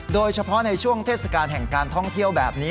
โดยเฉพาะในช่วงเทศกาลแห่งการท่องเที่ยวแบบนี้